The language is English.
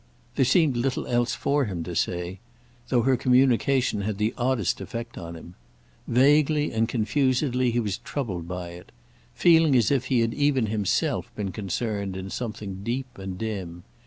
There seemed little else for him to say, though her communication had the oddest effect on him. Vaguely and confusedly he was troubled by it; feeling as if he had even himself been concerned in something deep and dim.